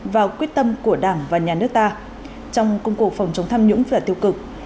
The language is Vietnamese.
vào quyết tâm của đảng và nhà nước ta trong công cuộc phòng chống tham nhũng và tiêu cực